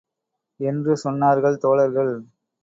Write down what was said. என்று சொன்னார்கள் தோழர்கள்.